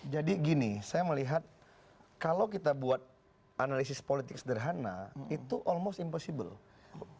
jadi gini saya melihat kalau kita buat analisis politik sederhana itu almost impossible